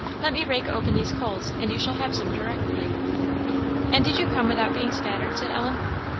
Let me rake open these coals, and you shall have some directly." "And did you come without being spattered?" said Ellen.